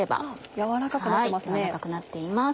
軟らかくなってますね。